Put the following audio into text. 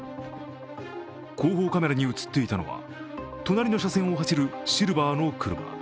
後方カメラに映っていたのは、隣の車線を走るシルバーの車。